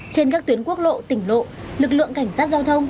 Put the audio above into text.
trên các tuyến quốc lộ tỉnh lộ lực lượng cảnh sát giao thông